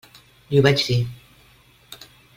Li ho vaig dir.